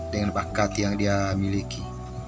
dengan bakat yang dia miliki